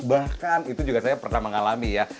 bahkan itu juga saya pernah mengalami ya